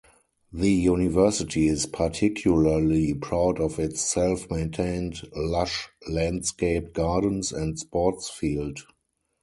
The University is particularly proud of its self-maintained lush landscaped gardens and sports field.